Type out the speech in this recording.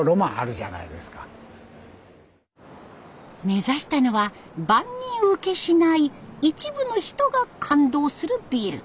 目指したのは万人受けしない一部の人が感動するビール。